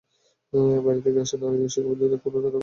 বাইরে থেকে আসা নারী শিক্ষকদের জন্য এখানে থাকার কোনো ব্যবস্থা নেই।